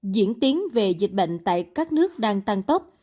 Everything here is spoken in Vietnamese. diễn tiến về dịch bệnh tại các nước đang tăng tốc